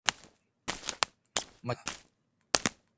乜咁都得